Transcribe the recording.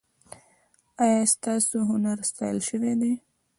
ایا ستاسو هنر ستایل شوی دی؟